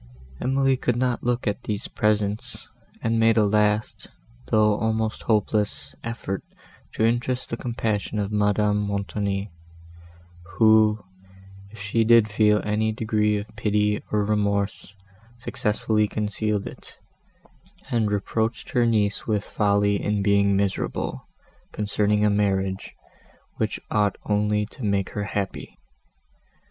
Emily could not look at these presents, and made a last, though almost hopeless, effort to interest the compassion of Madame Montoni, who, if she did feel any degree of pity, or remorse, successfully concealed it, and reproached her niece with folly in being miserable, concerning a marriage, which ought only to make her happy.